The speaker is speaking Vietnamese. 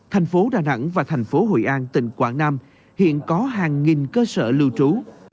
thành phố đà nẵng và thành phố hội an tỉnh quảng nam hiện có hàng nghìn cơ sở lưu trú